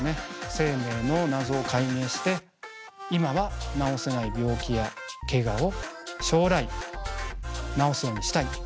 生命の謎を解明して今は治せない病気やけがを将来治すようにしたい。